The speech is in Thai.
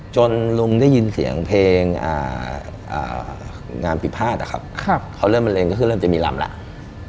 จนหลงได้ยินเสียงเพลงงามภิภาตเขาเลิกมะเร็นเริ่มจะมีลำแล้ว